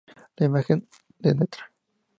La Imagen de Ntra.